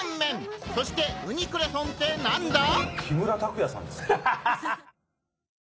そして「ウニクレソン」って何だ！？